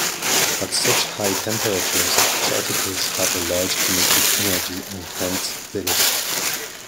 At such high temperatures, particles have a large kinetic energy, and hence velocity.